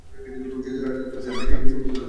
যদিও রানি কখনোই তার এই বিপুল ক্ষমতা প্রয়োগ করেন না।